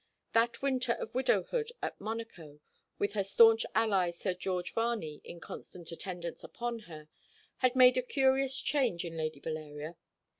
That winter of widowhood at Monaco, with her staunch ally Sir George Varney in constant attendance upon her, had made a curious change in Lady Valeria.